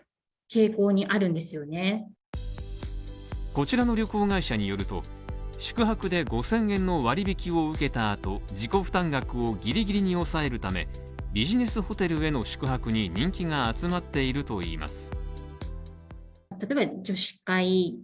こちらの旅行会社によると、宿泊で５０００円の割引を受けた後、自己負担額をギリギリに抑えるため、ビジネスホテルへの宿泊に人気が集まっているといいます。